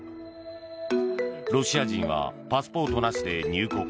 ロシア人はパスポートなしで入国。